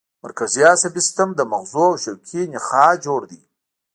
مرکزي عصبي سیستم له مغزو او شوکي نخاع جوړ دی